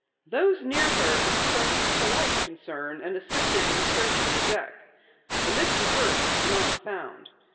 Those near her expressed polite concern and assisted in searching the deck. The missing purse was not found.